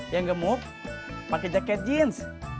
yang gemuk pakai jaket jeans